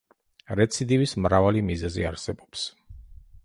რეციდივის მრავალი მიზეზი არსებობს.